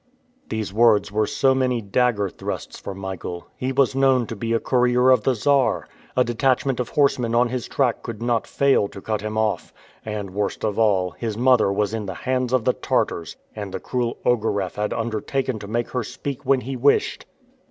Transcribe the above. These words were so many dagger thrusts for Michael. He was known to be a courier of the Czar! A detachment of horsemen on his track could not fail to cut him off. And, worst of all, his mother was in the hands of the Tartars, and the cruel Ogareff had undertaken to make her speak when he wished!